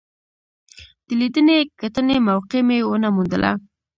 د لیدنې کتنې موقع مې ونه موندله.